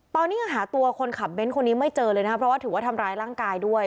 ตอนนี้ยังหาตัวคนขับเบ้นคนนี้ไม่เจอเลยนะครับเพราะว่าถือว่าทำร้ายร่างกายด้วย